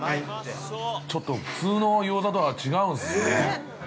◆ちょっと、普通の餃子とは違うんですね。